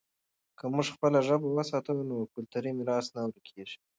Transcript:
که موږ خپله ژبه وساتو، نو کلتوري میراث نه ورکېږي.